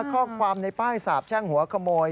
ข้อความในป้ายสาบแช่งหัวขโมย